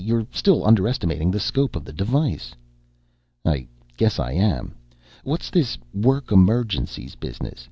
You're still underestimating the scope of the device." "I guess I am. What's this 'work emergencies' business?